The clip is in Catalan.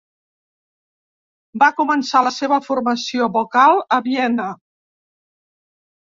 Va començar la seva formació vocal a Viena.